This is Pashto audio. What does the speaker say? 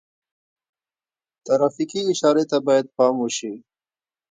ترافیکي اشارې ته باید پام وشي.